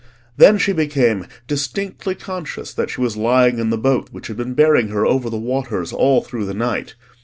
Then she became distinctly conscious that she was lying in the boat which had been bearing her over the waters all through the night.